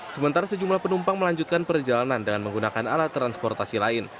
sementara sejumlah penumpang melanjutkan perjalanan dengan menggunakan alat transportasi lain